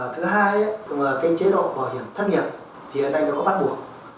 thứ hai là cái chế độ bảo hiểm thất nghiệp thì hiện nay nó có bắt buộc